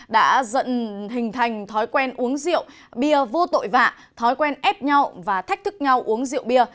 đã dần hình thành thói quen uống rượu bia vô tội vạ thói quen ép nhau và thách thức nhau uống rượu bia